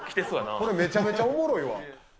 これ、めちゃめちゃおもろいわ。